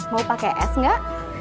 mau pakai es enggak